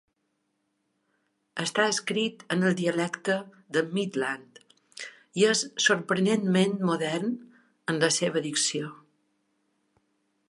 Està escrit en el dialecte de Midland, i és sorprenentment modern en la seva dicció.